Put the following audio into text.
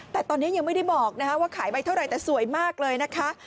แต่ตอนนี้ยังไม่ได้บอกว่าขายไปเท่าไหร่แต่สวยมากเลยนะคะ